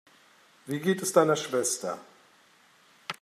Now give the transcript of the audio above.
Wie geht es deiner Schwester?